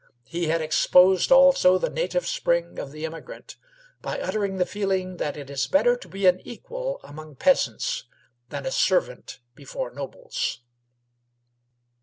He had exposed also the native spring of the emigrant by uttering the feeling that it is better to be an equal among peasants than a servant before nobles.